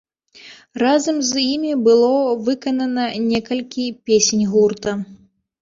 Разам з імі было выканана некалькі песень гурта.